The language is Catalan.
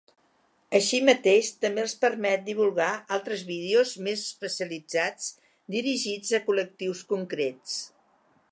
Així mateix, també els permet divulgar altres vídeos més especialitzats dirigits a col·lectius concrets.